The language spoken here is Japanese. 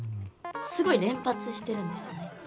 すごい連発してるんですよね